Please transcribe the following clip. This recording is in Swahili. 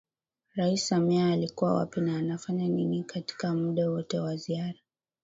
Rais Samia alikuwa wapi na anafanya nini katika muda wote wa ziara